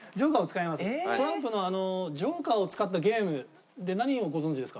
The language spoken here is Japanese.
トランプのＪＯＫＥＲを使ったゲームで何をご存じですか？